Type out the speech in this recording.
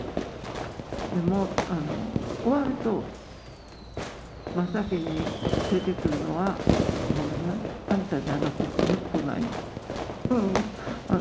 でも終わると、真っ先に出てくるのは、ごめんな、あんたじゃなくて美希子なんよ。